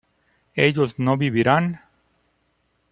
¿ellos no vivirían?